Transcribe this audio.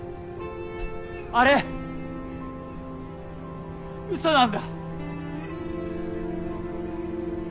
あれウソなんだ。